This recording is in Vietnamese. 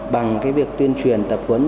bằng việc tuyên truyền tập huấn